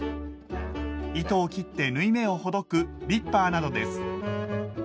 糸を切って縫い目をほどくリッパーなどです。